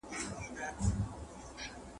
سپینو وېښتو ته جهاني هینداره نه ځلوم `